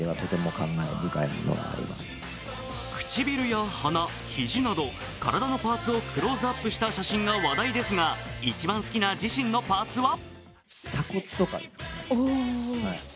唇や鼻、肘など体のパーツをクローズアップした写真が話題ですが、一番好きな自身のパーツは？